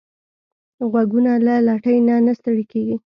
غوږونه له لټۍ نه نه ستړي کېږي